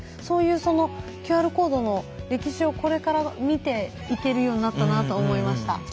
そういうＱＲコードの歴史をこれから見ていけるようになったなと思いました。